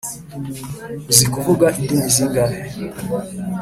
uzi kuvuga indimi zingahe